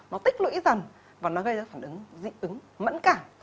nó tích lũy dần và nó gây ra phản ứng dị ứng mẫn cảm